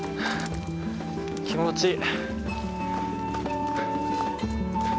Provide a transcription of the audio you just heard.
気持ちいい。